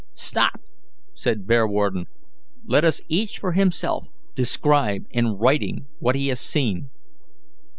"Stop!" said Bearwarden; "let us each for himself describe in writing what he has seen."